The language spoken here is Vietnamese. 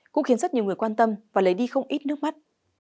cũng khiến rất nhiều người quan tâm và lấy đi không ít nước mắt